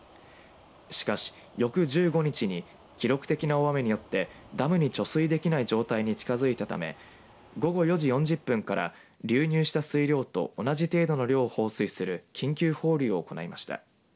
しかし、翌１５日に記録的な大雨によってダムに貯水できない状態に近づいたため午後４時４０分から流入した水量と同じ程度の量を放水する緊急放流を行いました。